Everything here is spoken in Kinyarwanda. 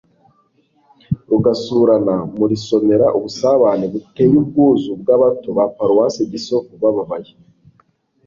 rugasurana, murisomera ubusabane buteye ubwuzu bw'abato ba paruwasi gisovu babaye